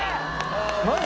マジ？